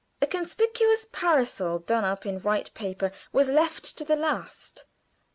A conspicuous parcel done up in white paper was left to the last.